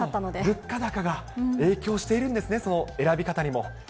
物価高が影響してるんですね、選び方にも。